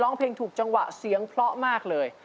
ร้องเพลงถูกจังหวะเสียงเพราะมากเลย